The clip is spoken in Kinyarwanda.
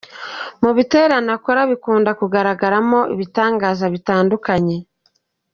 Mu biterane akora bikunda kugaragaramo ibitangaza bitandukanye.